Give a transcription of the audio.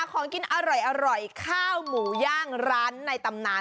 ของกินอร่อยข้าวหมูย่างร้านในตำนาน